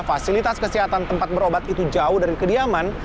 dan fasilitas kesehatan tempat berobat itu jauh dari kediaman